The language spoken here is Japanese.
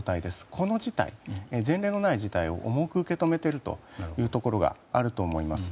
この前例のない事態を重く受け止めているところもあると思います。